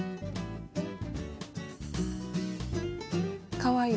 かわいい。